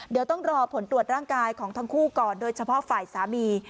เดี๋ยวต้องรอผลตรวจร่างกายของทั้งคู่ก่อนโดยเฉพาะฝ่ายสามี